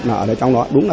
ở trong đó đúng là